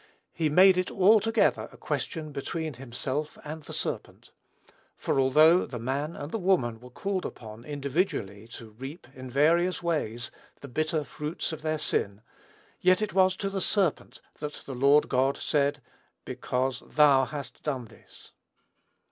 He made it, altogether, a question between himself and the serpent; for although the man and the woman were called upon, individually, to reap, in various ways, the bitter fruits of their sin, yet it was to the serpent that the Lord God said, "Because thou hast done this."